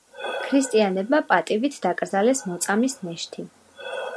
ქრისტიანებმა პატივით დაკრძალეს მოწამის ნეშტი.